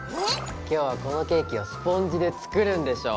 今日はこのケーキをスポンジで作るんでしょ？